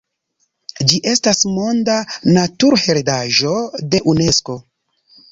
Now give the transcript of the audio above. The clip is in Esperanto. Ĝi estas Monda Naturheredaĵo de Unesko.